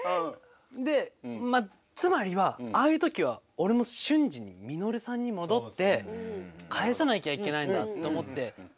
でまあつまりはああいうときは俺も瞬時に稔さんに戻って返さなきゃいけないんだと思って。